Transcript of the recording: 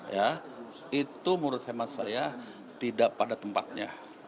ya itu menurut hemat saya tidak pada tempatnya